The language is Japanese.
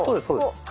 そうです。